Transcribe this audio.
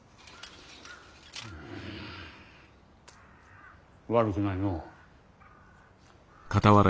うん悪くないのう。